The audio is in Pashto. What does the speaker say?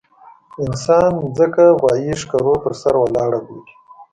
انسان ځمکه غوايي ښکرو پر سر ولاړه بولي.